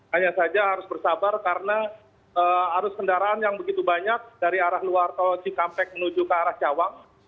hanya saja harus bersabar karena arus kendaraan yang begitu banyak dari arah luar tol cikampek menuju ke arah cawang